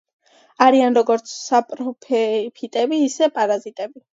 არიან როგორც საპროფიტები, ისე პარაზიტები.